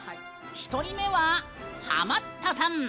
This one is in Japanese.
１人目は、ハマったさん。